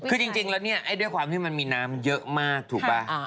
คือจริงแล้วเนี่ยด้วยความที่มันมีน้ำเยอะมากถูกป่ะ